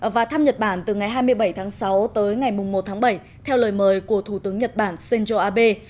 và thăm nhật bản từ ngày hai mươi bảy tháng sáu tới ngày một tháng bảy theo lời mời của thủ tướng nhật bản shinzo abe